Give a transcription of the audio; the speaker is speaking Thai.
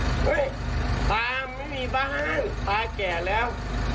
เฮ้ยปลาไม่มีบ้านปลาแก่แล้ว